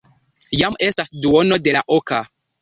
Jam estas duono de la oka.